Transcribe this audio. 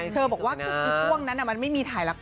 เธอบอกว่าคือช่วงนั้นมันไม่มีถ่ายละคร